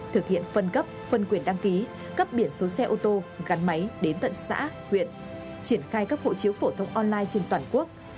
thực hiện phân cấp phân quyền đăng ký cấp biển số xe ô tô gắn máy đến tận xã huyện triển khai cấp hộ chiếu phổ thông online trên toàn quốc